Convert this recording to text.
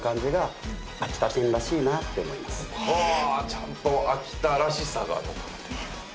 ちゃんと秋田らしさが残ってる。